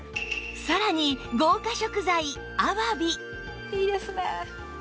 さらに豪華食材アワビいいですね。